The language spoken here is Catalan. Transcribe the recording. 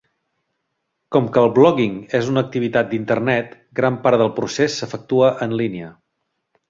Com que el "blogging" és una activitat d'Internet, gran part del procés s'efectua en línia.